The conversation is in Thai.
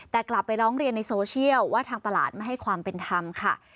แต่กลับไปร้องเรียนในโซเชียลว่าทางตลาดไม่ให้ความเป็นธรรมค่ะ